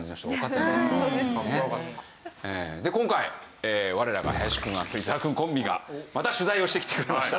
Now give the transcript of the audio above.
今回我らが林くん伊沢くんコンビがまた取材をしてきてくれました。